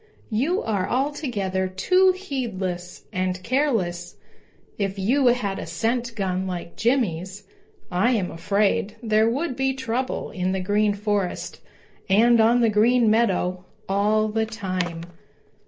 "You are altogether too heedless and careless. If you had a scent gun like Jimmy's, I am afraid there would be trouble in the Green Forest and on the Green Meadow all the time.